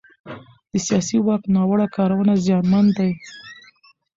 د سیاسي واک ناوړه کارونه زیانمن دي